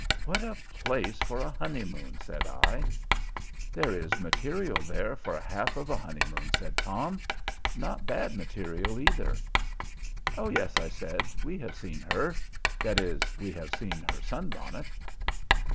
"What a place for a honeymoon!" said I. "There is material there for half of a honeymoon," said Tom "not bad material, either." "Oh, yes," I said; "we have seen her that is, we have seen her sunbonnet."